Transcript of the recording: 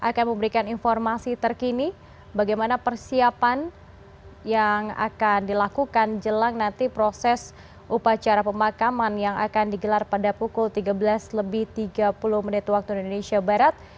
akan memberikan informasi terkini bagaimana persiapan yang akan dilakukan jelang nanti proses upacara pemakaman yang akan digelar pada pukul tiga belas lebih tiga puluh menit waktu indonesia barat